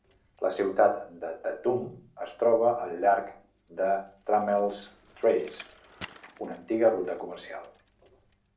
La ciutat de Tatum es troba al llarg de Trammel's Trace, una antiga ruta comercial.